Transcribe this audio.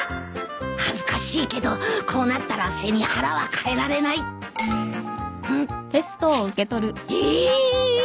恥ずかしいけどこうなったら背に腹は代えられないええっ！？